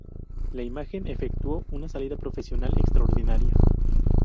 La imagen efectuó una salida procesional extraordinaria.